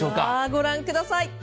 ご覧ください。